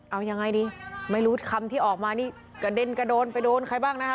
เอายังไงดีไม่รู้คำที่ออกมานี่กระเด็นกระโดนไปโดนใครบ้างนะฮะ